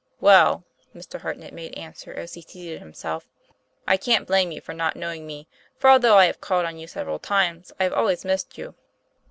'Well," Mr. Hartnett made answer, as he seated himself, " I can't blame you for not knowing me, for although I have called on you several times I have always missed you."